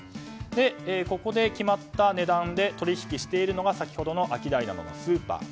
ここで決まった値段で取引しているのが先ほどのアキダイなどのスーパー。